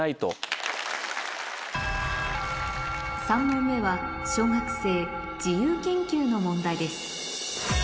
３問目は小学生自由研究の問題です